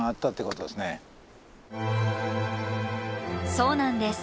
そうなんです。